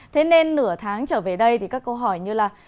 thế nên nửa tháng trở về đây thì các câu hỏi như là